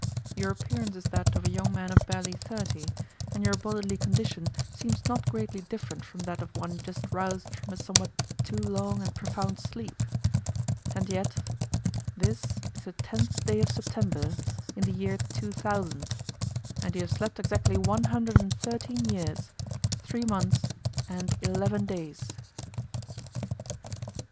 Your appearance is that of a young man of barely thirty, and your bodily condition seems not greatly different from that of one just roused from a somewhat too long and profound sleep, and yet this is the tenth day of September in the year 2000, and you have slept exactly one hundred and thirteen years, three months, and eleven days."